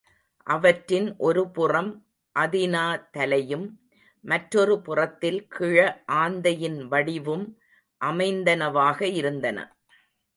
அவற்றின் ஒருபுறம் அதினா தலையும், மற்றொரு புறத்தில் கிழஆந்தையின் வடிவும் அமைந்தனவாக இருந்தன.